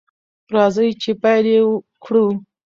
راځئ چې پیل یې کړو.